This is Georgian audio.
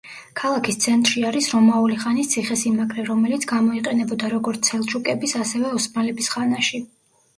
ქალაქის ცენტრში არის რომაული ხანის ციხესიმაგრე, რომელიც გამოიყენებოდა როგორც სელჩუკების, ასევე ოსმალების ხანაში.